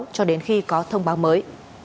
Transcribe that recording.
một mươi ba sáu cho đến khi có thông báo mới